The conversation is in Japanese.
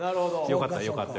よかったよかった。